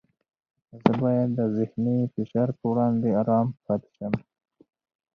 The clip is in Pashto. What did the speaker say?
زه باید د ذهني فشار په وړاندې ارام پاتې شم.